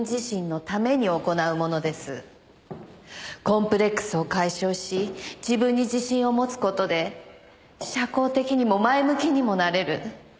コンプレックスを解消し自分に自信を持つ事で社交的にも前向きにもなれる。